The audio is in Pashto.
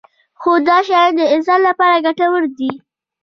خو دا شیان د انسان لپاره ګټور دي.